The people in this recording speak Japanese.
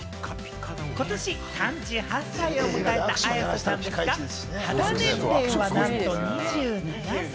ことし３８歳を迎えた綾瀬さんですが、肌年齢はなんと２７歳。